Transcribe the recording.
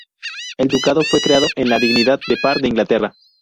El ducado fue creado en la dignidad de par de Inglaterra.